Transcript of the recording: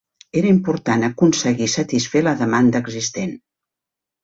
Era important aconseguir satisfer la demanda existent.